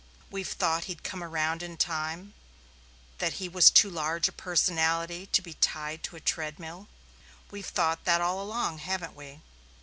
We've thought he'd come around in time, that he was too large a personality to be tied to a treadmill. We've thought that all along, haven't we?